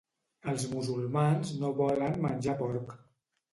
Els musulmans no volen menjar porc